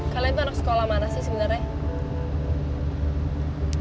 kalian tuh anak sekolah mana sih sebenernya